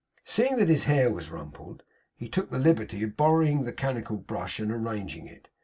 Seeing that his hair was rumpled, he took the liberty of borrowing the canonical brush and arranging it.